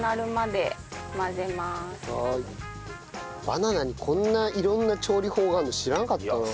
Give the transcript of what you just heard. バナナにこんな色んな調理法があるの知らなかったな。